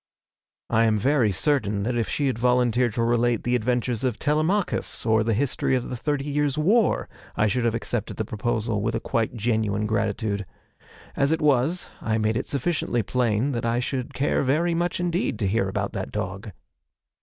I am very certain that if she had volunteered to relate the adventures of Telemachus, or the history of the Thirty Years' War, I should have accepted the proposal with a quite genuine gratitude. As it was, I made it sufficiently plain that I should care very much indeed to hear about that dog.